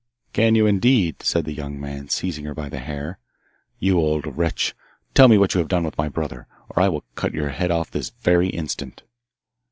'Can you, indeed?' said the young man, seizing her by the hair. 'You old wretch! tell me what you have done with my brother, or I will cut your head off this very instant.